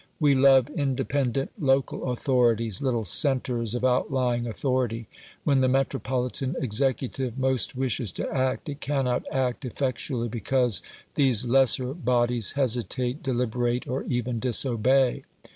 We love independent "local authorities," little centres of outlying authority. When the metropolitan executive most wishes to act, it cannot act effectually because these lesser bodies hesitate, deliberate, or even disobey.